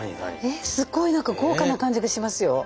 えっすっごい何か豪華な感じがしますよ。